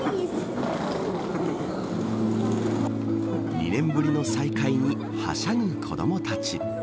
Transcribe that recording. ２年ぶりの再会にはしゃぐ子どもたち。